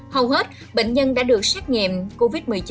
hầu hết bệnh nhân đã được xét nghiệm covid một mươi chín